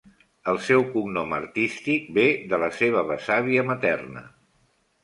El seu cognom artístic ve de la seva besàvia materna.